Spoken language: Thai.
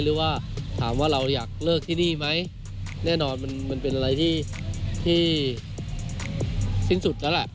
หรือว่าถามว่าเราอยากเลิกที่นี่ไหมแน่นอนมันเป็นอะไรที่สิ้นสุดแล้วแหละ